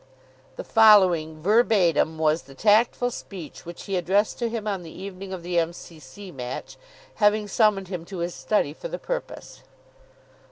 The following, verbatim, was the tactful speech which he addressed to him on the evening of the M.C.C. match, having summoned him to his study for the purpose.